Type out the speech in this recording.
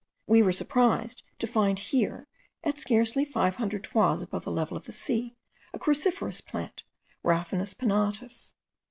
We were surprised to find here, at scarcely 500 toises above the level of the sea, a cruciferous plant, Raphanus pinnatus.